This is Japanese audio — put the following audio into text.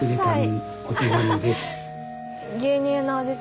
はい。